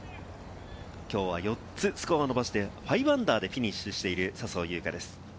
きょうは４つスコアを伸ばして−５でフィニッシュしている笹生優花です。